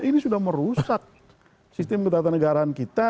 ini sudah merusak sistem ketatanegaraan kita